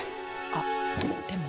あっでも。